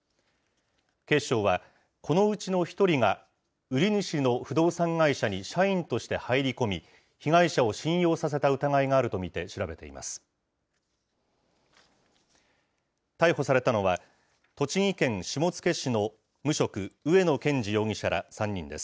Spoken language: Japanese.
警視庁は、このうちの１人が、売り主の不動産会社に社員として入り込み、被害者を信用させた疑いがあると見て調べています。